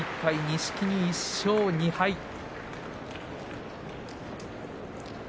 錦木１勝２敗です。